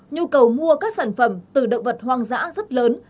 nhu cầu mua các sản phẩm từ động vật hoang dã rất lớn